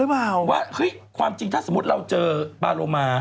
ว่าความจริงถ้าสมมติเราเจอปลารม่า